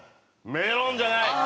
メロンじゃない。